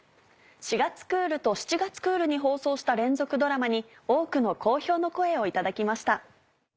４月クールと７月クールに放送した連続ドラマに多くの好評の声を頂きました。